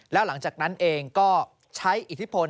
แล้วหลังจากนั้นเองก็ใช้อิทธิพล